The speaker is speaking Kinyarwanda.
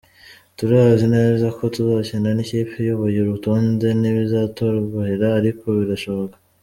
Turazi neza ko tuzakina n’ikipe iyoboye urutonde, ntibizatworohera ariko birashoboka.